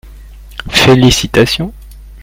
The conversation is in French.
Félicitations.